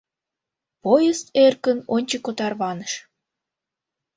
Поезд эркын ончыко тарваныш.